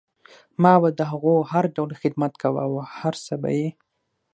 ما به د هغو هر ډول خدمت کوه او هر څه به یې